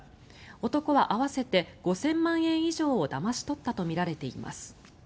男は合わせて５０００万円以上をだまし取ったとみられています。